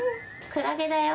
クラゲだよ。